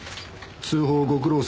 通報ご苦労さん。